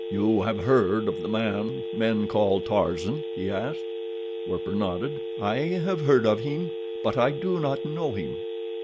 "You have heard of the man men call Tarzan?" he asked. Werper nodded. "I have heard of him; but I do not know him."